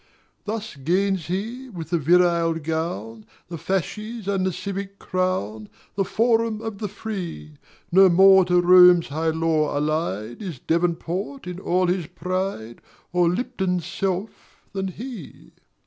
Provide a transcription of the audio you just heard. Thus gains he, with the virile gown, The fasces and the civic crown, The forum of the free; Not more to Rome's high law allied Is Devonport in all his pride Or Lipton's self than he.